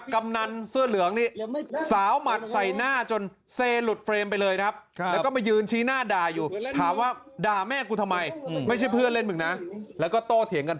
คำนันเสื้อเหลืองนี้